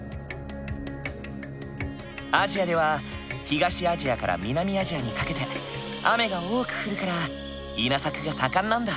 アジアでは東アジアから南アジアにかけて雨が多く降るから稲作が盛んなんだ。